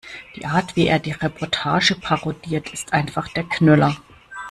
Die Art, wie er die Reportage parodiert, ist einfach der Knüller!